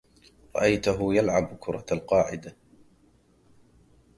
رأيته يلعب كرة القاعدة.